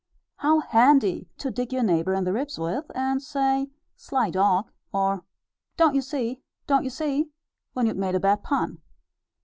How handy, to dig your neighbour in the ribs with, and say, "Sly dog"; or, "Don't you see, don't you see?" when you'd made a bad pun!